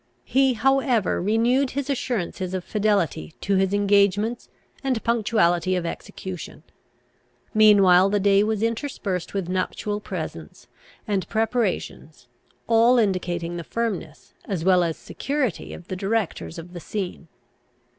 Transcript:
He, however, renewed his assurances of fidelity to his engagements and punctuality of execution. Meanwhile the day was interspersed with nuptial presents and preparations, all indicating the firmness as well as security of the directors of the scene.